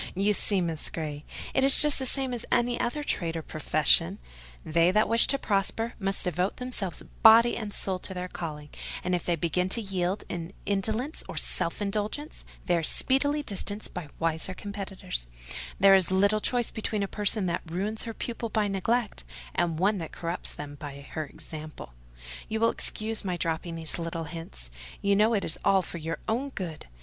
You see, Miss Grey, it is just the same as any other trade or profession: they that wish to prosper must devote themselves body and soul to their calling; and if they begin to yield to indolence or self indulgence they are speedily distanced by wiser competitors: there is little to choose between a person that ruins her pupils by neglect, and one that corrupts them by her example. You will excuse my dropping these little hints: you know it is all for your own good.